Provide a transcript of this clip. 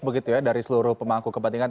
begitu ya dari seluruh pemangku kepentingan